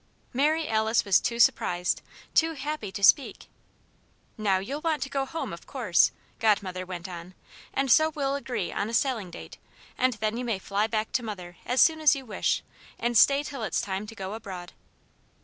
Mary Alice was too surprised, too happy to speak. "Now, you'll want to go home, of course," Godmother went on, "and so we'll agree on a sailing date and then you may fly back to mother as soon as you wish, and stay till it's time to go abroad."